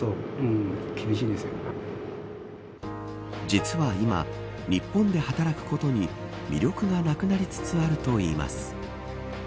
実は今日本で働くことに魅力がなくなりつつあるといいます。